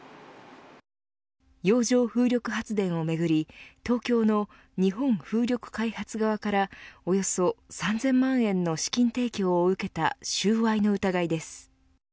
洋上風力発電をめぐり東京の日本風力開発側からおよそ３０００万円の資金提供を受けた収賄の疑いです。